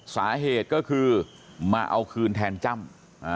สาเหตุก็คือมาเอาคืนแทนจ้ำ